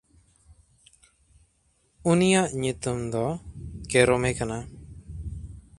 ᱩᱱᱤᱭᱟᱜ ᱧᱩᱛᱩᱢ ᱫᱚ ᱠᱮᱨᱚᱢᱮ ᱠᱟᱱᱟ᱾